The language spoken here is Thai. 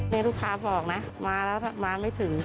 แล้วลูกพ่อบอกนะมาแล้วรับมาไม่ถึง